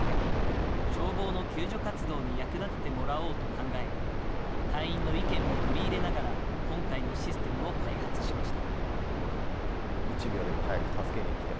消防の救助活動に役立ててもらおうと考え、隊員の意見も取り入れながら今回のシステムを開発しました。